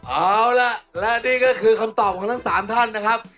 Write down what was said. เอาล่ะและนี่ก็คือคำตอบของทั้ง๓ท่านนะครับ